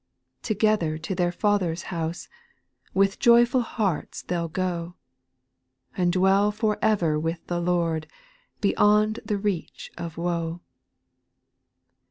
7. Together to their Father's house. With joyful hearts they '11 go. And dwell for ever with the Lord, Beyond the reach of woe.